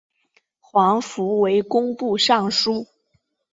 黄福为工部尚书。